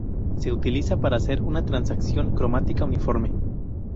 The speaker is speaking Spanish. Se utiliza para hacer una transición cromática uniforme.